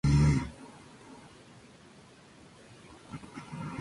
Algunas revisiones fueron críticos, sin embargo.